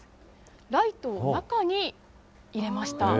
ライトを中に入れました。